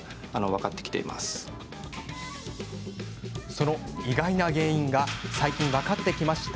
その意外な原因が最近、分かってきました。